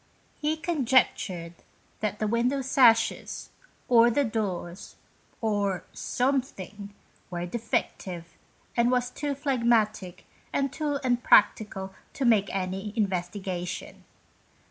He conjectured that the window sashes, or the doors, or " something," were defective, and was too phlegmatic and too unpractical to make any investigation.